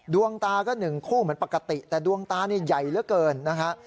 ดวงตาก็หนึ่งคู่เหมือนปกติแต่ดวงตานี่ใหญ่เหลือเกินนะฮะ